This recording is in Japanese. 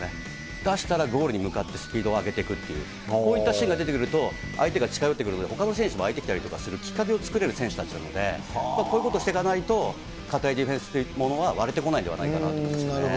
出したらゴールに向かってスピードを上げていくという、こういったシーンが出てくると、相手が近寄ってくるときに、ほかの選手も上がってきたりするきっかけを作れる選手たちなので、こういうことしてかないと堅いディフェンスというものは割れてこないんではないかなと思いますけどね。